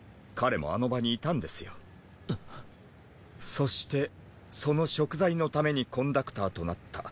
そしてそのしょく罪のためにコンダクターとなった。